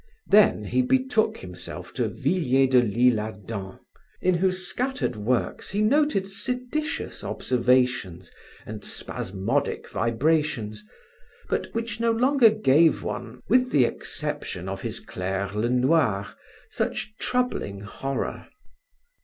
Then he betook himself to Villiers de L'Isle Adam in whose scattered works he noted seditious observations and spasmodic vibrations, but which no longer gave one, with the exception of his Claire Lenoir, such troubling horror.